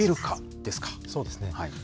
そうですね。